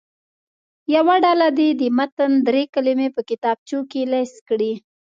یوه ډله دې د متن دري کلمې په کتابچو کې لیست کړي.